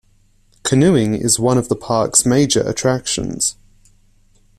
Canoeing is one of the park's major attractions.